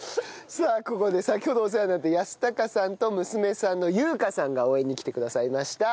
さあここで先ほどお世話になった恭隆さんと娘さんの優香さんが応援に来てくださいました。